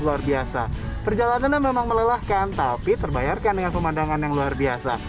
luar biasa perjalanannya memang melelahkan tapi terbayarkan dengan pemandangan yang luar biasa